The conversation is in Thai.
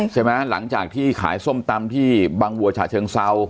ใช่ไหมหลังจากที่ขายส้มตำที่บางบัวฉะเชิงเศร้า